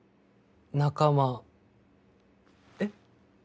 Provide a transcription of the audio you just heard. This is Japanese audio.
「仲間えっ？